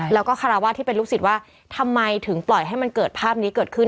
แล้วก็คาราวาสที่เป็นลูกศิษย์ว่าทำไมถึงปล่อยให้มันเกิดภาพนี้เกิดขึ้น